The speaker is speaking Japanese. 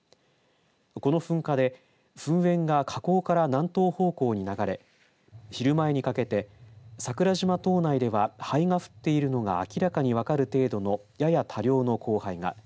この噴火で噴煙が火口から南東方向に流れ昼前にかけて、桜島島内では灰が降っているのが明らかに分かる程度のやや多量の降灰が。